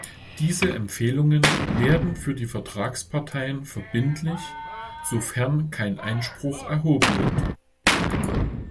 Diese Empfehlungen werden für die Vertragsparteien verbindlich, sofern kein Einspruch erhoben wird.